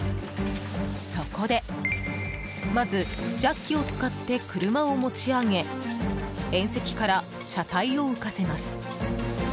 そこで、まずジャッキを使って車を持ち上げ縁石から車体を浮かせます。